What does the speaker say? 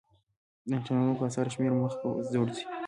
د نېټه لرونکو اثارو شمېر مخ په ځوړ ځي.